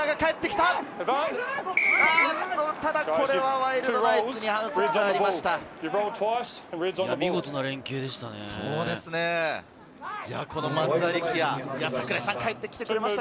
ただこれはワイルドナイツに反則がありました。